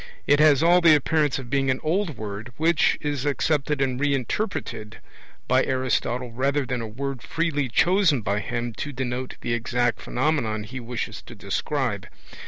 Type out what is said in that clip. It has all the appearance of being an old word which is accepted and re interpreted by Aristotle rather than a word freely chosen by him to denote the exact phenomenon he wishes to describe.